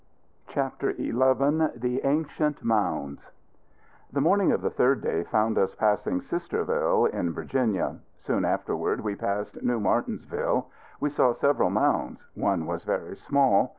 CHAPTER XI. THE ANCIENT MOUNDS. The morning of the third day found us passing Sisterville, in Virginia. Soon afterward we passed New Martinsville. We saw several mounds. One was very small.